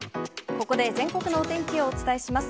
ここで全国のお天気をお伝えします。